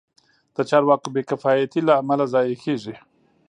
د چارواکو بې کفایتۍ له امله ضایع کېږي.